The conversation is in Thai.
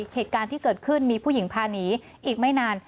เหตุการณ์ที่เกิดขึ้นมีผู้หญิงพาหนีอีกไม่นาน